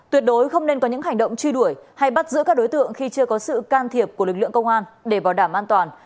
tuyệt đối không nên có những hành động truy đuổi hay bắt giữ các đối tượng khi chưa có sự can thiệp của lực lượng công an để bảo đảm an toàn